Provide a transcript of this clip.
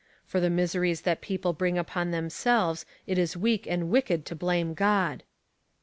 "For the miseries that people bring npon themselves it is weak and wicked to blame God.''